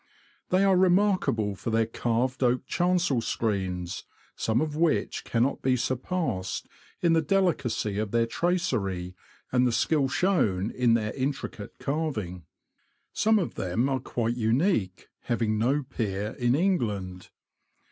They are remarkable for their carved oak chancel screens, some of which cannot be surpassed in the delicacy of their tracery, and the skill shown in their intricate carving. Some of them are quite unique, having no peer in England.